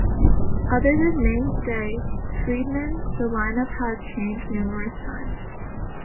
Other than mainstay, Freedman, the line-up has changed numerous times.